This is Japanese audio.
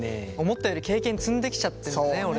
思ったより経験積んできちゃってんだね俺。